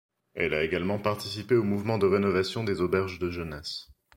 Elle a également participé au mouvement de rénovation des Auberges de jeunesse.